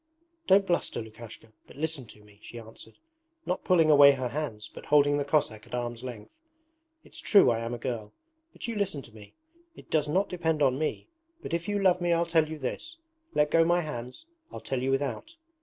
'Don't bluster, Lukashka, but listen to me,' she answered, not pulling away her hands but holding the Cossack at arm's length. 'It's true I am a girl, but you listen to me! It does not depend on me, but if you love me I'll tell you this. Let go my hands, I'll tell you without.